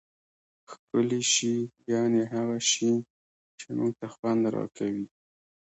ښکلی شي یعني هغه شي، چي موږ ته خوند راکوي.